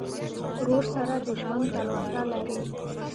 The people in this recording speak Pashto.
ورور سره د ژوند تلوسه لرې.